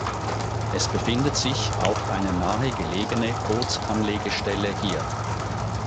Es befindet sich auch eine nahe gelegene Bootsanlegestelle hier.